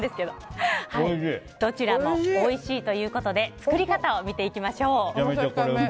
どちらもおいしいということで作り方を見ていきましょう。